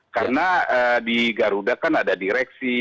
karena di garuda kan ada direksi